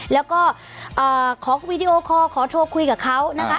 แล้วก็ขอวีดีโอคอร์ขอโทรคุยกับเขานะคะ